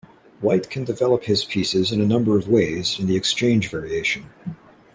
White can develop his pieces in a number of ways in the Exchange Variation.